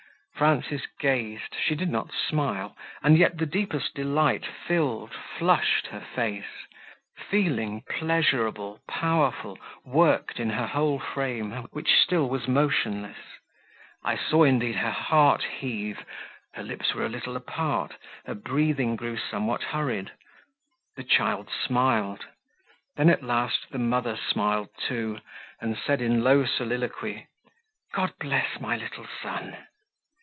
Frances gazed, she did not smile, and yet the deepest delight filled, flushed her face; feeling pleasurable, powerful, worked in her whole frame, which still was motionless. I saw, indeed, her heart heave, her lips were a little apart, her breathing grew somewhat hurried; the child smiled; then at last the mother smiled too, and said in low soliloquy, "God bless my little son!"